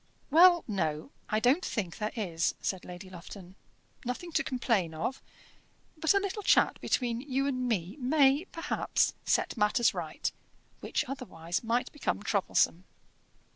"Well, no; I don't think there is," said Lady Lufton. "Nothing to complain of; but a little chat between you and me may, perhaps, set matters right, which, otherwise, might become troublesome."